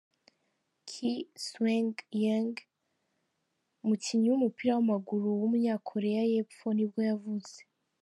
Ki Sung-Yueng, umukinnyi w’umupira w’amaguru w’umunyakoreya y’epfo nibwo yavutse.